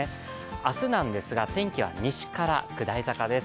明日なんですが天気は西から下り坂です。